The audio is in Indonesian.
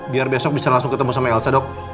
biar besok bisa langsung ketemu sama elsa dok